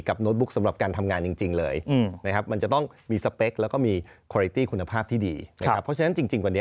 กับโน้ตบุ๊กสำหรับการทำงานจริงเลยนะครับมันจะต้องมีสเปคแล้วก็มีคุณภาพที่ดี